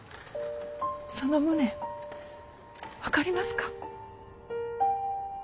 その無念分かりますか？